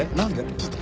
ちょっと。